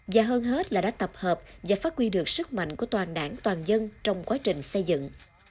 và hơn hết là đã tập hợp và phát huy được sức mạnh của toàn đảng toàn dân trong quá trình xây dựng